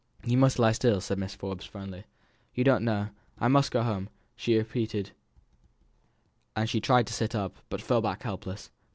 "You must lie still," said Mrs. Forbes, firmly. "You don't know. I must go home," she repeated; and she tried to sit up, but fell back helpless.